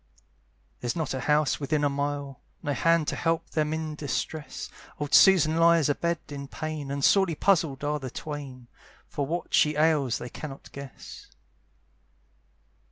There's not a house within a mile. No hand to help them in distress: Old Susan lies a bed in pain, And sorely puzzled are the twain, For what she ails they cannot guess.